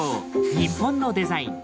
日本のデザイン。